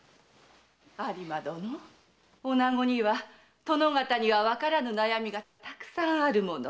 有馬殿女子には殿方にわからぬ悩みがたくさんあるもの。